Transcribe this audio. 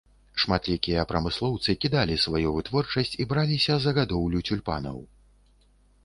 Шматлікія прамыслоўцы кідалі сваю вытворчасць і браліся за гадоўлю цюльпанаў.